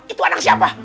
itu anak siapa